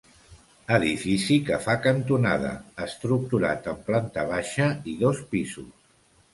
Edifici que fa cantonada, estructurat en planta baixa i dos pisos.